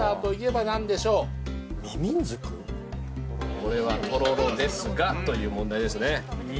「これはとろろですが」という問題ですね。